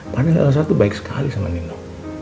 padahal saya tuh baik sekali sama nino